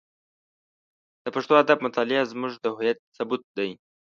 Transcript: د پښتو ادب مطالعه زموږ د هویت ثبوت دی.